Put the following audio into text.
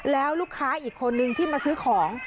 แล้วลูกค้าอีกคนนึงที่มาซื้อของ